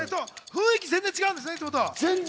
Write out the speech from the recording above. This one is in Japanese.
雰囲気全然違うんですね、いつもと。